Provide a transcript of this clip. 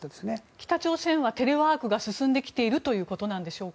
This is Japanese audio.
北朝鮮はテレワークが進んできているということなんでしょうか？